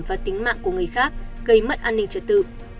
và tính mạng của người khác gây mất an ninh trật tự